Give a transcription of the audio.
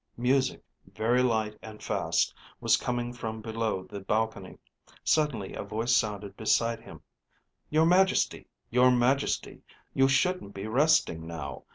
Music, very light and fast, was coming from below the balcony. Suddenly a voice sounded beside him: "Your Majesty, your Majesty! You shouldn't be resting now.